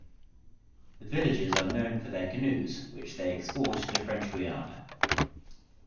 The villagers are known for their canoes which they export to French Guiana.